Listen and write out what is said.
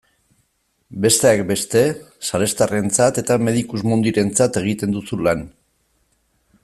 Besteak beste salestarrentzat eta Medicus Mundirentzat egiten duzu lan.